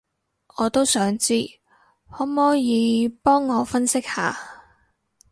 我都想知，可摸耳幫我分析下